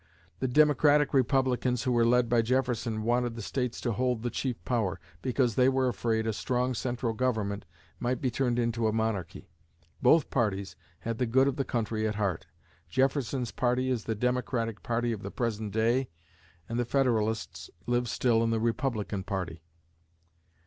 The Democratic Republicans, who were led by Jefferson, wanted the States to hold the chief power, because they were afraid a strong central government might be turned into a monarchy. Both parties had the good of the country at heart. Jefferson's party is the Democratic Party of the present day and the Federalists live still in the Republican Party.